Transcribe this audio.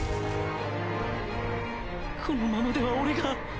このままでは俺が